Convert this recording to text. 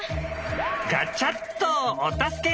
ガチャっとお助け。